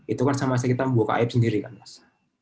itu kan sama saja kita membuka aip sendiri mas